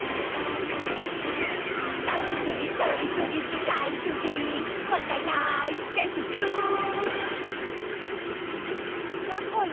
「出しすぎとりすぎ使いすぎもったいないレスキュー」やころ